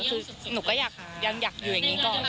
คือหนูก็อยากอยู่อย่างนี้ก่อน